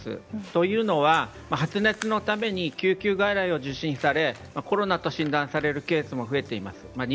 というのは、発熱のために救急外来を受診されコロナと診断されるケースも増えています。